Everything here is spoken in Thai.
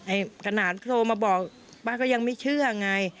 ขนาดโทรมาบอกป้าก็ยังไม่เชื่อไง